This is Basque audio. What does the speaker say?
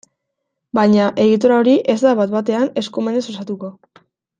Baina, egitura hori ez da bat-batean eskumenez osatuko.